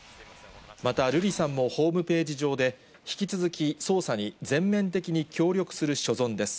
また、瑠麗さんもホームページ上で、引き続き、捜査に全面的に協力する所存です。